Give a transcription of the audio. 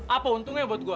apa untungnya buat gue